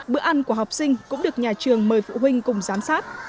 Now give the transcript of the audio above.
bữa ăn của học sinh cũng được nhà trường mời phụ huynh cùng giám sát